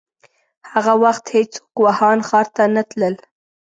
هغه وخت هيڅوک ووهان ښار ته نه تلل.